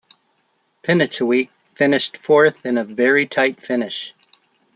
Penicuik finished fourth in a very tight finish.